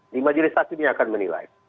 di majelis hakim ini akan menilai